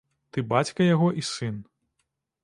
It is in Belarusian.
Ты бацька яго і сын.